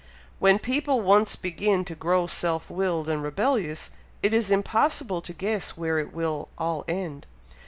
When people once begin to grow self willed and rebellious, it is impossible to guess where it will all end!